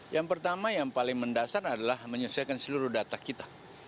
yang pertama yang paling mendasar adalah menyelesaikan seluruh data kita